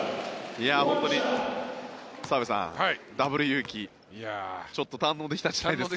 本当に澤部さん、ダブルユウキちょっと堪能できたんじゃないですか？